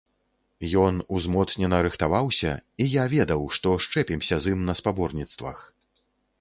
Ён узмоцнена рыхтаваўся, і я ведаў, што счэпімся з ім на спаборніцтвах.